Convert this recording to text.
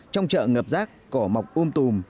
trong chợ ngập rác cỏ mọc ôm tùm